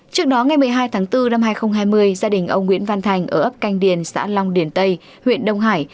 trước đó ngày một mươi hai tháng bốn năm hai nghìn hai mươi gia đình ông nguyễn văn thành ở ấp canh điền xã long điền tây huyện đông hải